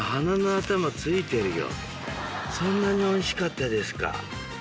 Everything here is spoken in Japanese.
そんなにおいしかったですか？